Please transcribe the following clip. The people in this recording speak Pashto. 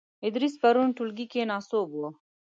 ادریس پرون ټولګې کې ناسوب وو .